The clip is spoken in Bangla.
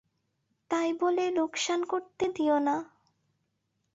তাই বলে লোকসান করতে দিয়ে না।